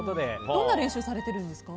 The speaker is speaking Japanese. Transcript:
どんな練習をされているんですか？